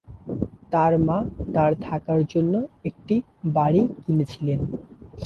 তার মা তার থাকার জন্য একটি বাড়ি কিনেছিলেন।